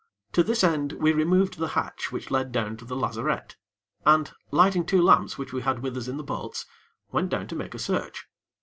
To this end, we removed the hatch which led down to the lazarette, and, lighting two lamps which we had with us in the boats, went down to make a search.